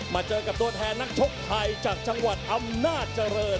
เจอกับตัวแทนนักชกไทยจากจังหวัดอำนาจเจริญ